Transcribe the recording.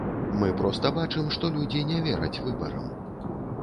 Мы проста бачым, што людзі не вераць выбарам.